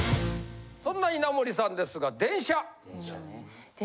そんな稲森さんですが。